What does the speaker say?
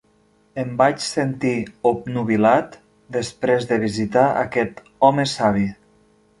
Em vaig sentir obnubilat després de visitar aquest home savi.